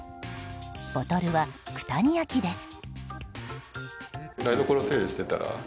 ボトルは九谷焼です。